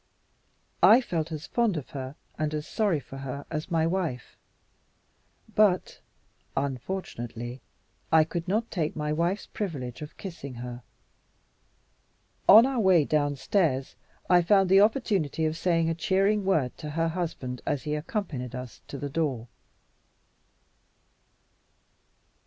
I felt as fond of her and as sorry for her as my wife. But (unfortunately) I could not take my wife's privilege of kissing her. On our way downstairs, I found the opportunity of saying a cheering word to her husband as he accompanied us to the door.